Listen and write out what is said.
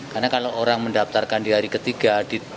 karena kalau orang mendaftarkan di hari ketiga